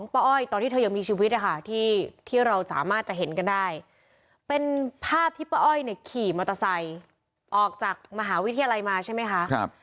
เป็นภาพที่ป้าอ้อยขี่มอเตอร์ไซค์ออกจากมหาวิทยาลัยมาใช่ไหมครับ